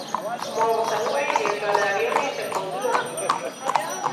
ما ورته وویل: ایټالویان یې تر بازو لاندې ږدي.